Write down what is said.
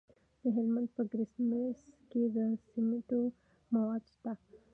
د هلمند په ګرمسیر کې د سمنټو مواد شته.